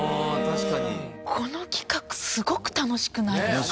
この企画すごく楽しくないですか？